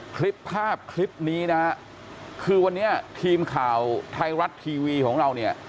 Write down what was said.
คลิปภาพคลิปนี้นะฮะคือวันนี้ทีมข่าวไทยรัฐทีวีของเราเนี่ย